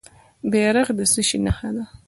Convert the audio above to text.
بیرغ د څه شي نښه ده؟